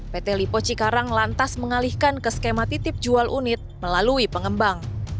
pt lipo cikarang lantas mengalihkan ke skema titip jual unit melalui pengembang